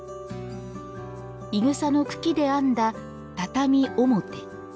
い草の茎で編んだ「畳表」。